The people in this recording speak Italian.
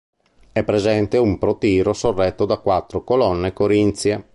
È presente un protiro sorretto da quattro colonne corinzie.